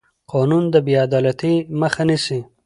قانون د بې عدالتۍ مخه نیسي